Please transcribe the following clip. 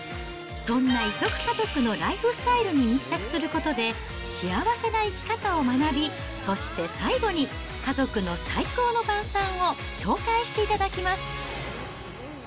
そんな異色家族のライフスタイルに密着することで、幸せな生き方を学び、そして、最後に家族の最高の晩さんを紹介していただきます。